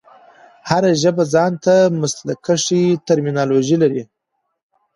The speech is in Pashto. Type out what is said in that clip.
هره ژبه ځان ته مسلکښي ټرمینالوژي لري.